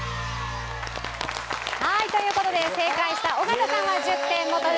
はいという事で正解した尾形さんは１０点モト